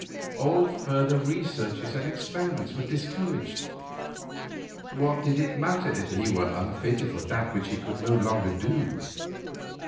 All further researches and experiments were discouraged. What did it matter if he were unfitted for that which he could no longer do?